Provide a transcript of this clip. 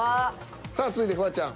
さあ続いてフワちゃん。